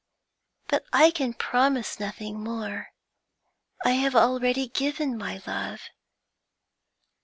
But I can promise nothing more; I have already given my love.'